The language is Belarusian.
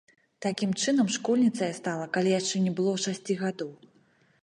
Такім чынам, школьніцай я стала, калі яшчэ не было шасці гадоў.